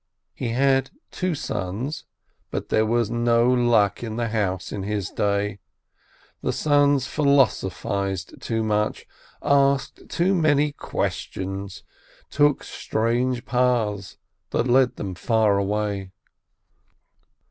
He had two sons, but there was no luck in the house in his day: the sons philosophized too much, asked too many questions, took strange paths that led them far away.